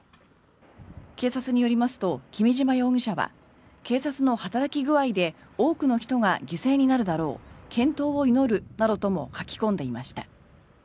警察によりますと君島容疑者は警察の働き具合で多くの人が犠牲になるだろう健闘を祈るなどとも書き込んでいました。